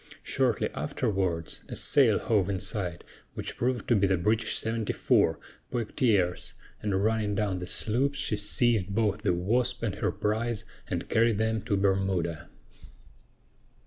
Shortly afterwards, a sail hove in sight, which proved to be the British 74, Poictiers, and, running down on the sloops, she seized both the Wasp and her prize and carried them to Bermuda.